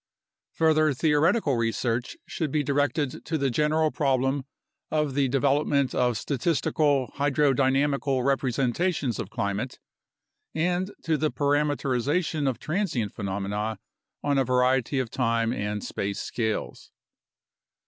Further theoretical research should be directed to the general prob lem of the development of statistical hydrodynamical representations of climate and to the parameterization of transient phenomena on a variety of time and space scales.